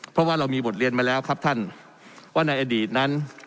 เพราะว่าเรามีบทเรียนมาแล้วครับท่านว่าในอดีตนั้น